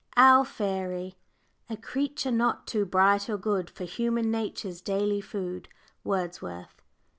OUR FAIRY. "A creature not too bright or good For human nature's daily food." WORDSWORTH.